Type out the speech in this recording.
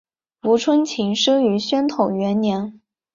吴春晴生于宣统元年。